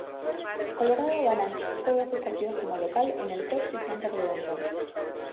Colorado Avalanche juega sus partidos como local en el Pepsi Center de Denver.